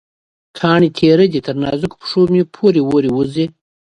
کاڼې تېره دي، تر نازکو پښومې پورې وځي